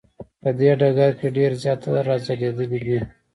په دې ډګر کې ډیر زیات را ځلیدلی دی.